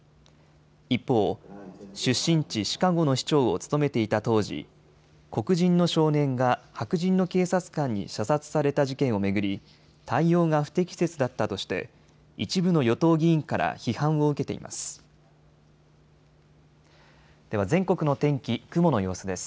一方、出身地シカゴの市長を務めていた当時、黒人の少年が白人の警察官に射殺された事件を巡り対応が不適切だったとして、一部の与党議員から批判を受けています。